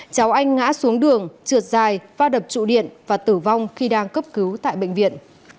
cháu anh ngã xuống đường trượt dài pha đập trụ điện và tử vong khi đang cấp cứu tại bệnh viện